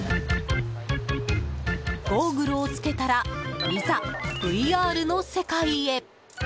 ゴーグルを着けたらいざ、ＶＲの世界へ。